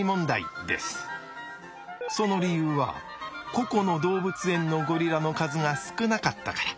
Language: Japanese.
その理由は個々の動物園のゴリラの数が少なかったから。